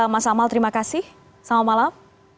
mas amal terima kasih selamat malam